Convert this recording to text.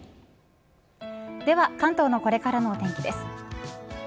では関東のこれからのお天気です。